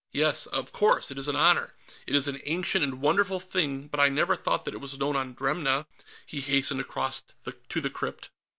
"Yes, of course. It is an honor. It is an ancient and wonderful thing, but I never thought that it was known on Dremna." He hastened across to the crypt.